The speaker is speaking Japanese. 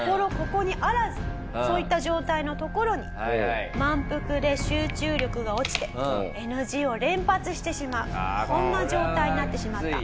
ここにあらずそういった状態のところに満腹で集中力が落ちてＮＧを連発してしまうこんな状態になってしまった。